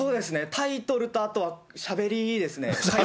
タイトルとあとは、しゃべりですね。